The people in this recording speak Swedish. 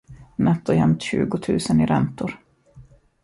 Nätt och jämnt tjugotusen i räntor.